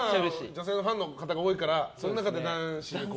女性のファンの方が多いからその中で男子だと？